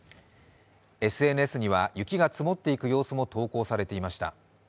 ＳＮＳには、雪が積もっていく様子も投稿されていました。